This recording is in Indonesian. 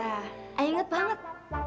ayah inget banget